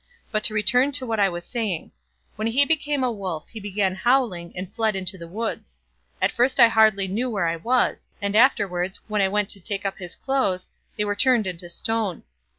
But to return to what I was saying. When he became a wolf, he began howling, and fled into the woods. At first I hardly knew where I was, and afterwards, when I went to take up his clothes, they were turned into stone.